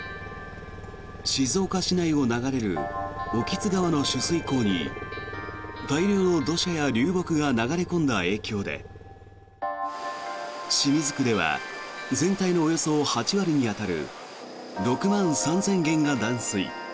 静岡市内を流れる興津川の取水口に大量の土砂や流木が流れ込んだ影響で清水区では全体のおよそ８割に当たる６万３０００軒が断水。